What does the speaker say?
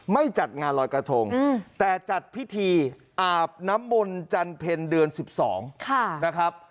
จัดงานลอยกระทงแต่จัดพิธีอาบน้ำมนต์จันเพ็ญเดือน๑๒นะครับ